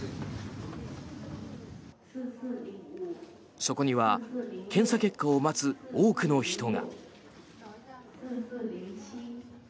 そこには検査結果を待つ多くの人が。